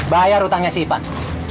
bayar utangnya si ipan